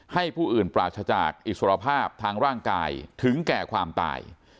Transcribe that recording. ให้ผู้อื่นปราศจากอิสรภาพทางร่างกายถึงแก่ความตาย